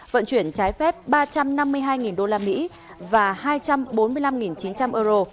vận chuyển trái phép ba trăm năm mươi hai usd và hai trăm bốn mươi năm chín trăm linh euro